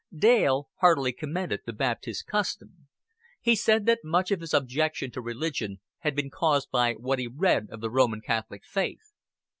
Dale heartily commended the Baptist custom. He said that much of his objection to religion had been caused by what he read of the Roman Catholic faith.